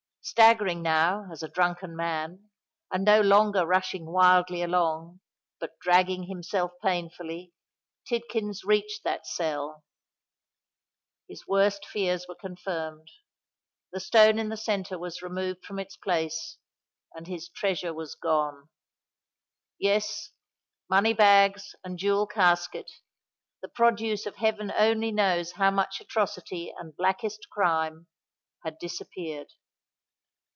Staggering now, as a drunken man—and no longer rushing wildly along,—but dragging himself painfully,—Tidkins reached that cell. His worst fears were confirmed: the stone in the centre was removed from its place;—and his treasure was gone! Yes:—money bags and jewel casket—the produce of heaven only knows how much atrocity and blackest crime—had disappeared.